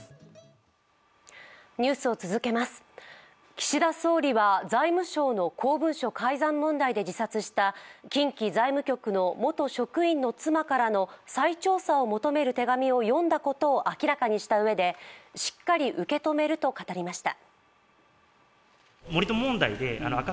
岸田総理は財務省の公文書改ざん問題で自殺した近畿財務局の元職員の妻からの再調査を求める手紙を読んだことを明らかにしたうえで、しっかり受け止めると語りました。